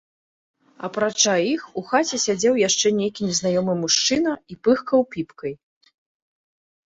Апрача іх у хаце сядзеў яшчэ нейкі незнаёмы мужчына і пыхкаў піпкай.